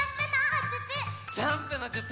ジャンプのじゅつ！